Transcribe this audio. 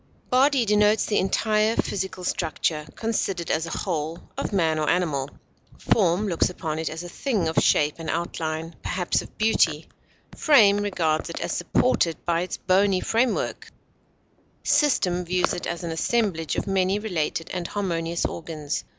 Body denotes the entire physical structure, considered as a whole, of man or animal; form looks upon it as a thing of shape and outline, perhaps of beauty; frame regards it as supported by its bony framework; system views it as an assemblage of many related and harmonious organs.